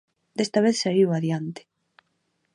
Desta vez saíu adiante.